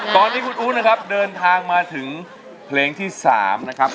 ตอนนี้คุณอู๋นะครับเดินทางมาถึงเพลงที่๓นะครับ